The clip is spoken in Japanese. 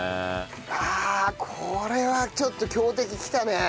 ああこれはちょっと強敵来たね。